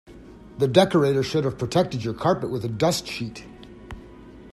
The decorator should have protected your carpet with a dust sheet